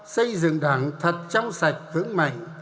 xây dựng đảng thật trong sạch khứng mạnh